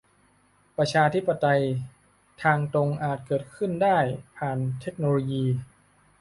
ประชาธิปไตยทางตรงอาจเกิดขึ้นได้ผ่านเทคโนโลยี